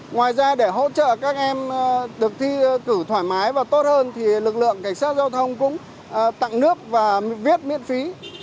ngoài ra để hỗ trợ các em được thi cử thoải mái và tốt hơn thì lực lượng cảnh sát giao thông cũng tặng nước và viết miễn phí